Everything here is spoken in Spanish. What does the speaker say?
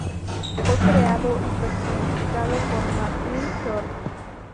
Fue creado y personificado por Martin Short.